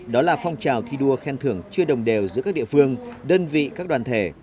đó là phong trào thi đua khen thưởng chưa đồng đều giữa các địa phương đơn vị các đoàn thể